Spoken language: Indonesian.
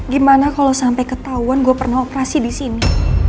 gimana kalo sampe ketauan gue pernah operasi disini